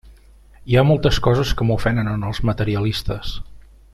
Hi ha moltes coses que m'ofenen en els materialistes.